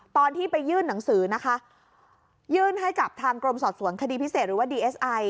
ตอนที่ไปยื่นหนังสือนะคะยื่นให้กับทางกรมสอบสวนคดีพิเศษหรือว่าดีเอสไอ